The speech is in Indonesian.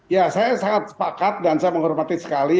ya saya sangat sepakat dan saya menghormati sekali